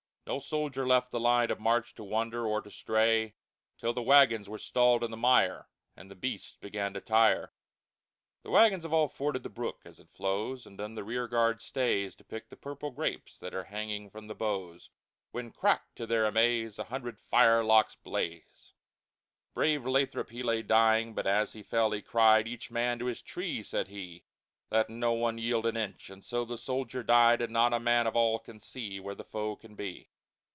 No Soldier left the Line of march to wander or to stray, Till the Wagons were stalled in the Mire, And the Beasts began to tire. The Wagons have all forded the Brook as it flows, And then the Rear Guard stays To pick the Purple Grapes that are hanging from the Boughs, When, crack! to their Amaze, A hundred Fire locks blaze! Brave Lathrop, he lay dying; but as he fell he cried, "Each Man to his Tree," said he, "Let no one yield an Inch;" and so the Soldier died; And not a Man of all can see Where the Foe can be.